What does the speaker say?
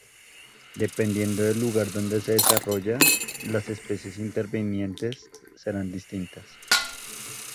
Dependiendo del lugar donde se desarrolla, las especies intervinientes serán distintas.